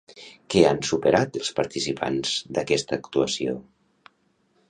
Què han superat els participants d'aquesta actuació?